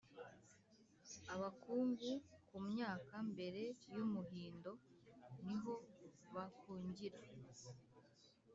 abakungu ku myaka mbere y’umuhindo ni ho bakungira